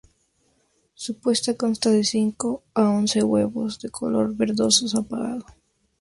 Su puesta consta de de cinco a once huevos, de un color verdoso apagado.